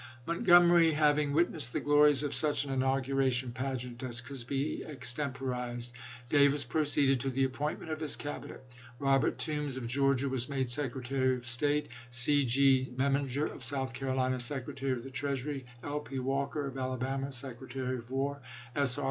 Montgomery having witnessed the glories of such an inauguration pageant as could be extemporized, Davis proceeded to the appointment of his Cabinet. Robert Toombs, of Georgia, was made Secretary of State ; C. G. Memminger, of South Carolina, Secre tary of the Treasury ; L. P. Walker, of Alabama, Secretary of War ; S. R.